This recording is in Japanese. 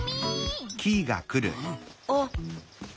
あっ！